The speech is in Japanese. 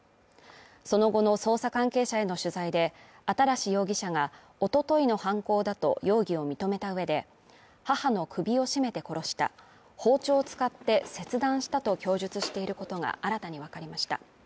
その後の捜査関係者への取材で新容疑者がおとといの犯行だと容疑を認めた上で、母の首を絞めて殺した包丁を使って切断したと供述していることが新たにわかりました。